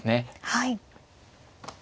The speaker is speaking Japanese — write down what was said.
はい。